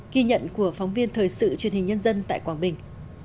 ghi nhận của phóng viên thời sự truyền hình nhân dân tại quảng bình